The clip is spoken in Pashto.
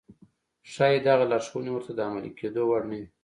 ښايي دغه لارښوونې ورته د عملي کېدو وړ نه وي.